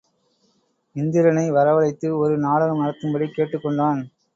இந்திரனை வரவழைத்து ஒரு நாடகம் நடத்தும்படி கேட்டுக் கொண்டான்.